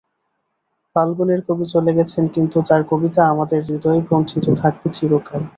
ফাল্গুনের কবি চলে গেছেন, কিন্তু তাঁর কবিতা আমাদের হূদয়ে গ্রন্থিত থাকবে চিরকাল।